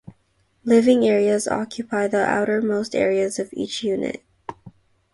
Living areas occupy the outermost areas of each unit.